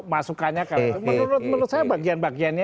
masukannya kalau menurut saya bagian bagiannya